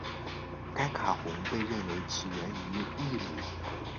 该卡洪被认为起源于秘鲁。